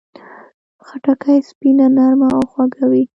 خټکی سپینه، نرمه او خوږه وي.